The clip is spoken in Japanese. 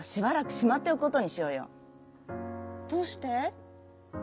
「どうして？」。